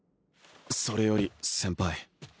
それより先輩